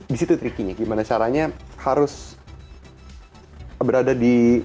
disitu tricky nya gimana caranya harus berada di